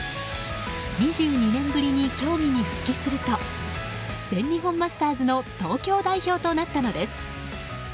２２年ぶりに競技に復帰すると全日本マスターズの東京代表となったのです。